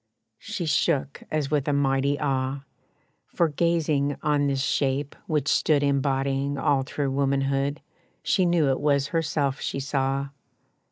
She shook as with a mighty awe, For, gazing on this shape which stood Embodying all true womanhood, She knew it was herself she saw.